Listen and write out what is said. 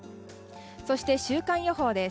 そして週間予報です。